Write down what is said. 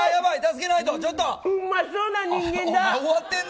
うまそうな人間だ。